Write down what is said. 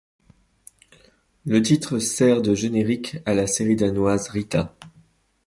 Le titre sert de générique à la série danoise Rita.